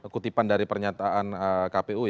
kutipan dari pernyataan kpu